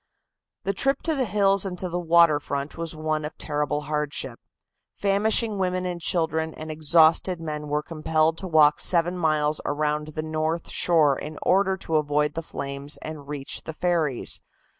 The trip to the hills and to the water front was one of terrible hardship. Famishing women and children and exhausted men were compelled to walk seven miles around the north shore in order to avoid the flames and reach the ferries.